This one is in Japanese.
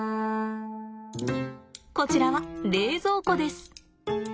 こちらは冷蔵庫です。